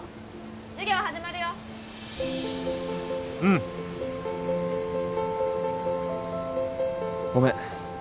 授業始まるようんごめん